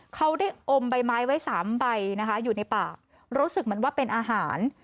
เขาได้อมใบไม้ไว้สามใบนะคะอยู่ในปากรู้สึกเหมือนว่าเป็นอาหาร